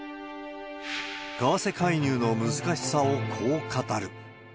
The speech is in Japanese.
為替介入の難しさをこう語る。